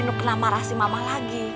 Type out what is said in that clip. nuk nama rahasi mama lagi